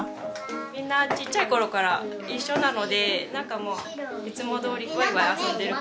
みんなちっちゃい頃から一緒なのでなんかもういつもどおりワイワイ遊んでる感じで。